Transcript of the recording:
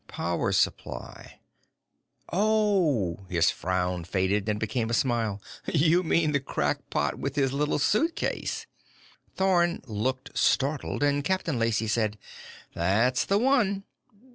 "Power supply. Oh!" His frown faded and became a smile. "You mean the crackpot with his little suitcase." Thorn looked startled, and Captain Lacey said: "That's the one."